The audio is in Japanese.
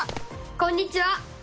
こんにちは！